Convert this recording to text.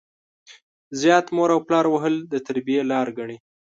زيات مور او پلار وهل د تربيې لار ګڼي.